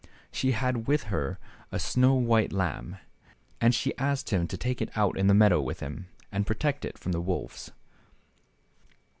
She had with her a snow white lamb, and she asked him to take it out in the meadow with him, and protect it from the wolves.